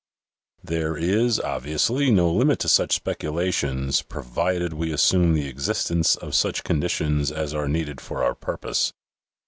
There is obviously no limit to such speculations, provided we assume the existence of such conditions as are needed for our purpose.